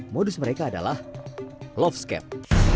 modus mereka adalah love scape